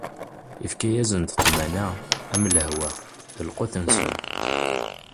Ifka-asen-d tamana am lehwa, d lqut-nsen.